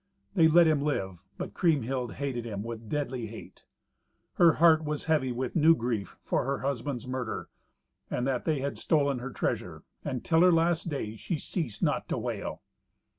They let him live, but Kriemhild hated him with deadly hate. Her heart was heavy with new grief for her husband's murder, and that they had stolen her treasure, and till her last day she ceased not to wail.